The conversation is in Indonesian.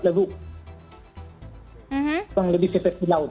lebih seperti laut